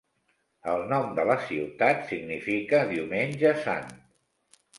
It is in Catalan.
El nom de la ciutat significa "Diumenge Sant".